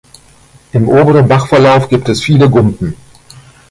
Im oberen Bachverlauf gibt es viele Gumpen.